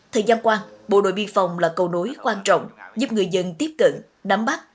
thời giam quan bộ đội biên phòng là cầu nối quan trọng giúp người dân tiếp cận đám bắt